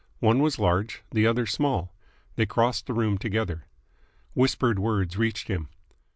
One was large, the other small. They crossed the room together. Whispered words reached him.